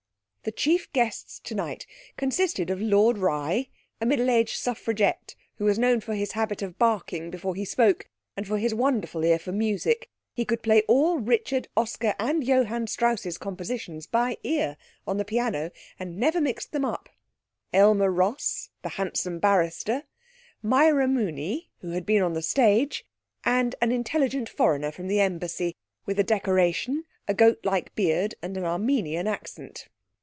The chief guests tonight consisted of Lord Rye, a middle aged suffraget, who was known for his habit of barking before he spoke and for his wonderful ear for music he could play all Richard, Oscar and Johann Strauss's compositions by ear on the piano, and never mixed them up; Aylmer Ross, the handsome barrister; Myra Mooney, who had been on the stage; and an intelligent foreigner from the embassy, with a decoration, a goat like beard, and an Armenian accent.